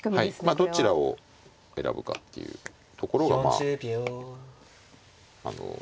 まあどちらを選ぶかっていうところがまああの。